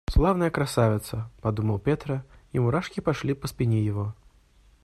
«Славная красавица!» – подумал Петро, и мурашки пошли по спине его.